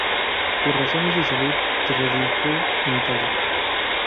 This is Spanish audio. Por razones de salud se radicó en Italia.